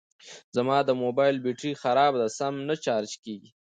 زما د موبایل بېټري خرابه ده سم نه چارج کېږي